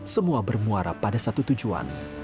semua bermuara pada satu tujuan